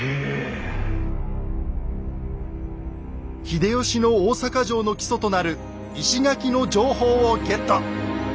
秀吉の大坂城の基礎となる石垣の情報をゲット！